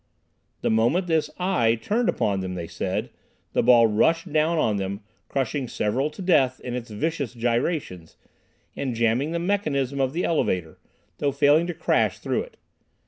The moment this "eye" turned upon them, they said, the ball "rushed" down on them, crushing several to death in its vicious gyrations, and jamming the mechanism of the elevator, though failing to crash through it.